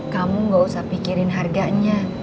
kamu gak usah pikirin harganya